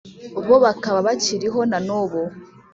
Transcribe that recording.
bo bakaba bakiriho na n ubu